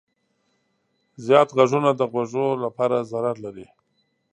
زیات غږونه د غوږو لپاره ضرر لري.